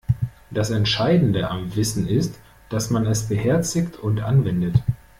Das Entscheidende am Wissen ist, dass man es beherzigt und anwendet.